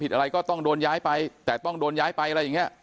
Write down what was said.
อะไรก็ต้องโดนย้ายไปแต่ต้องโดนย้ายไปอะไรอย่างเงี้ย